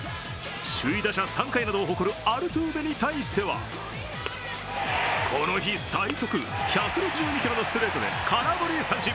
首位打者３回などを誇るアルトゥーベに対してはこの日最速、１６２キロのストレートで空振り三振。